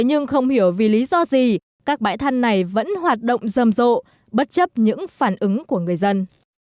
nhưng không hiểu vì lý do gì các bãi than này vẫn hoạt động rầm rộ bất chấp những phản ứng của người dân